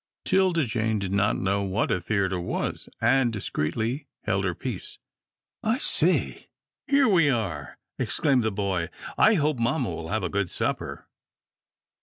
'Tilda Jane did not know what a theatre was, and discreetly held her peace. "I say here we are!" exclaimed the boy. "I hope mamma will have a good supper."